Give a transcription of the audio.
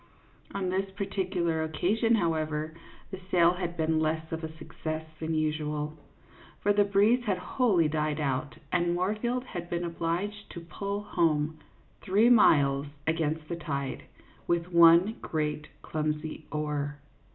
On this particular occasion, however, the sail had been less of a success than usual, for the breeze had wholly died out, and Moorfield had been obliged to pull home, three miles against the tide, with one great clumsy oar.